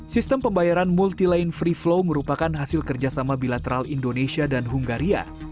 sistem pembayaran multiland freeflow merupakan hasil kerjasama bilateral indonesia dan hungaria